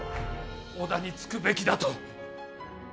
織田につくべきだと。